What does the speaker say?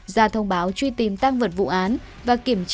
ra thông báo truy tìm tăng vật vụ án và kiểm tra